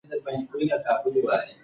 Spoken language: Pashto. اوبه د بدن د توازن مهمه برخه ده.